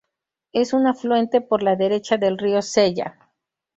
Es un afluente por la derecha del río Sella.